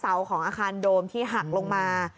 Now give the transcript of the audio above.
ของอาคารโดมที่หักลงมา